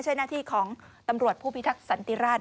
สันติราชนะคะ